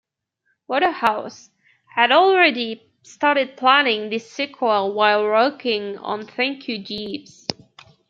Wodehouse had already started planning this sequel while working on "Thank You, Jeeves".